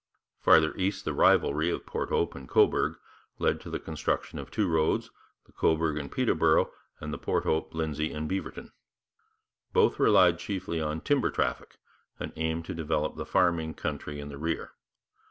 Farther east the rivalry of Port Hope and Cobourg led to the construction of two roads, the Cobourg and Peterborough and the Port Hope, Lindsay and Beaverton. Both relied chiefly on timber traffic and aimed to develop the farming country in the rear.